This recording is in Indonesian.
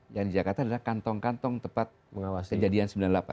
yang di jakarta adalah kantong kantong tepat kejadian sembilan puluh delapan